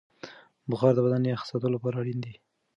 بخار د بدن یخ ساتلو لپاره اړین دی.